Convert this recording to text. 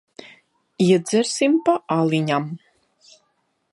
Iedzersim pa aliņam.